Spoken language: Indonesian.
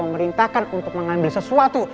memerintahkan untuk mengambil sesuatu